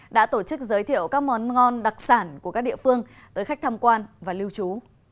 đã tổ chức giới thiệu các món ngon đặc sản của các địa phương tới khách tham quan và lưu trú